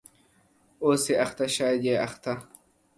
.اوسې اخته شاید یا یې اخته